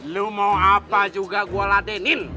lu mau apa juga gue ladenin